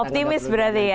optimis berarti ya